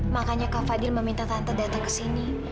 makanya kak fadil meminta tante datang ke sini